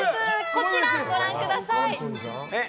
こちらをご覧ください。